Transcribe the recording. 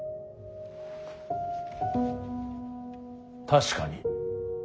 確かに。